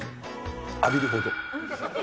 浴びるほど。